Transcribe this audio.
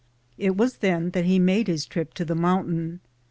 It was then that he made his trip to the moun tain.